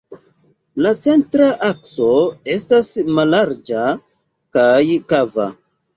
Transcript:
La centra akso estas mallarĝa kaj kava.